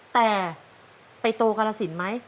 แต่ไปโตกาลสินไหม